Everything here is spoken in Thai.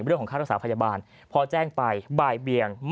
เรื่องของค่ารักษาพยาบาลพอแจ้งไปบ่ายเบียง